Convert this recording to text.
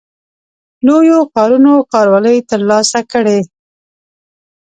لویو ښارونو ښاروالۍ ترلاسه کړې.